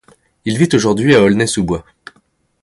Il vit aujourd'hui à Aulnay-sous-Bois.